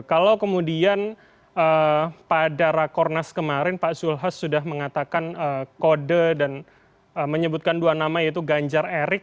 kalau kemudian pada rakornas kemarin pak zulhas sudah mengatakan kode dan menyebutkan dua nama yaitu ganjar erik